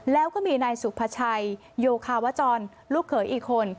แล้วก็มีนายสุภาชัยโยคาวจรลูกเขยอีกคน